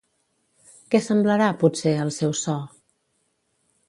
Què semblarà, potser, el seu so?